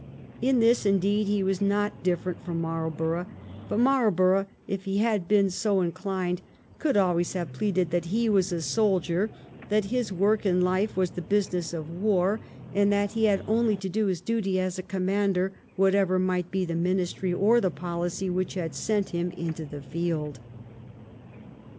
In this, indeed, he was not dijQferent from Marlborough ; but Marlborough, if he had been so inclined, could always have pleaded that he was a soldier, that his work in life was the business of war, and that he had only to do his duty as a commander whatever might be the Ministry or the policy which had sent him into the field.